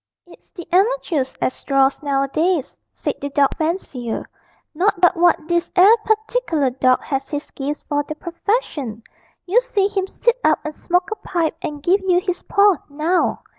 'It's the amatoors as draws nowadays,' said the dog fancier: 'not but what this 'ere partic'lar dawg has his gifts for the purfession. You see him sit up and smoke a pipe and give yer his paw, now.'